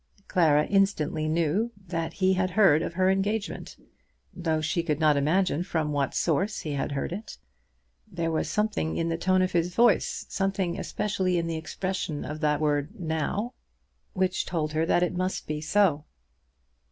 Clara instantly knew that he had heard of her engagement, though she could not imagine from what source he had heard it. There was something in the tone of his voice, something especially in the expression of that word "now," which told her that it must be so.